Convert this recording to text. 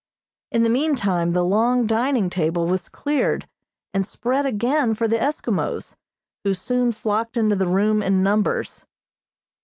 In the meantime, the long dining table was cleared and spread again for the Eskimos, who soon flocked into the room in numbers.